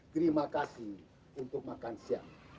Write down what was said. terima kasih untuk makan siang